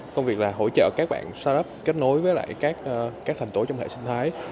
đầu tiên là hỗ trợ các bạn start up kết nối với các thành tố trong hệ sinh thái